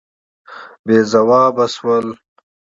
بې ځوابه شولو.